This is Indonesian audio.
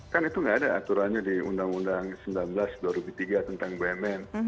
kan itu nggak ada aturannya di undang undang sembilan belas dua ribu tiga tentang bumn